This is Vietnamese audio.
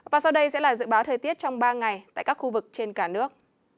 và sau đây sẽ là dự báo thời tiết trong ba ngày tại các khu vực trên cả nước